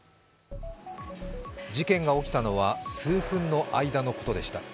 事件が起きたのは数分の間のことでした。